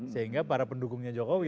sehingga para pendukungnya jokowi